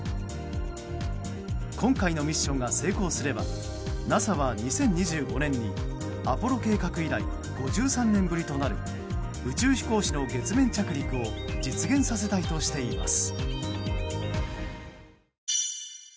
今回のミッションが成功すればＮＡＳＡは２０２５年にアポロ計画以来５３年ぶりとなる宇宙飛行士の月面着陸を実現させたいとしています。